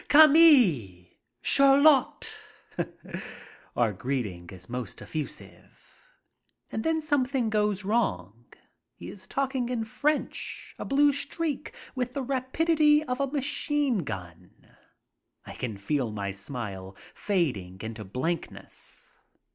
"Cami!" "Chariot!" Otir greeting is most effusive. And then something goes wrong. He is talking in French, a blue streak, with the rapidity of a machine gun. I can feel my smile fading into blankness.